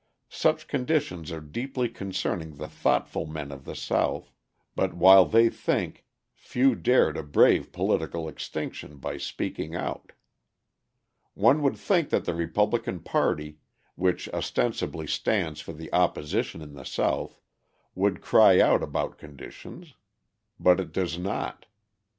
Such conditions are deeply concerning the thoughtful men of the South; but while they think, few dare to brave political extinction by speaking out. One would think that the Republican party, which ostensibly stands for the opposition in the South, would cry out about conditions. But it does not.